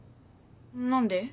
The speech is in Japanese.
何で？